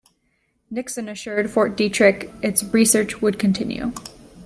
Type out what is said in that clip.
Nixon assured Fort Detrick its research would continue.